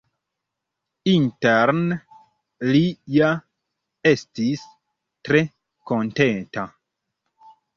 Interne, li ja estis tre kontenta.